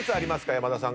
山田さん。